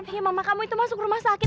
ya mama kamu itu masuk rumah sakit